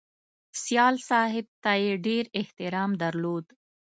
سیال صاحب ته یې ډېر احترام درلود